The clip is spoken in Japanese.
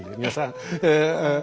皆さんえ